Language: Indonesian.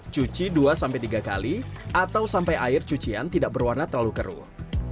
cuci dua tiga kali atau sampai air cucian tidak berwarna terlalu keruh